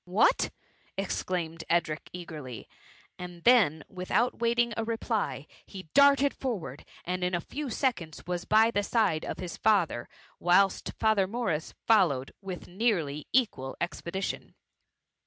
*^" What !'* exclaimed Edric, eagerly, and then, without waiting a reply, he darted for ward, and in a few seconds was by the side of his father : whilst Father Morris followed with nearly equal expedition.